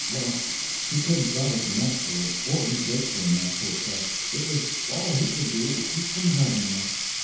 Well, he couldn't love us enough for it or be grateful enough, poor cuss; it was all he could do to keep from hugging us.